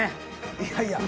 いやいや。